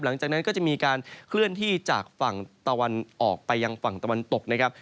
หลังจากนั้นก็จะมีการเคลื่อนที่จากฝั่งตะวันออกไปยังฝั่งตะวันตกนะครับ